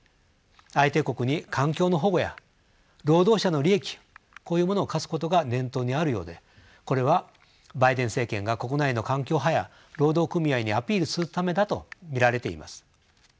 相手国に環境の保護や労働者の利益こういうものを課すことが念頭にあるようでこれはバイデン政権が国内の環境派や労働組合にアピールするためだと見られています。